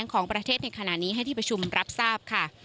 ของประเทศในขณะนี้ให้ที่ประชุมรับทราบค่ะ